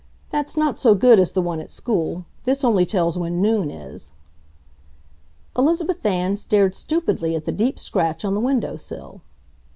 "That's not so good as the one at school. This only tells when noon is." Elizabeth Ann stared stupidly at the deep scratch on the window sill.